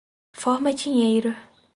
Forma-dinheiro